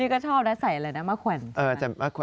นี่ก็ชอบนะใส่เลยนะมะขวัญ